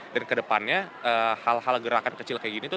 dan ke depannya hal hal gerakan kecil kayak gini tuh